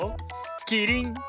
キリン！